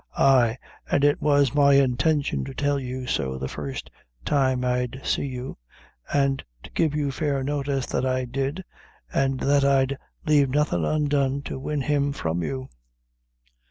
ay, an' it was my intention to tell you so the first time I'd see you, an' to give you fair notice that I did, an' that I'd lave nothing undone to win him from you."